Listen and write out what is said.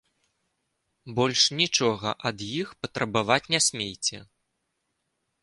Больш нічога ад іх патрабаваць не смейце!